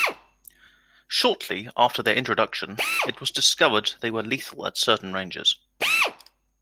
Shortly after their introduction it was discovered they were lethal at certain ranges.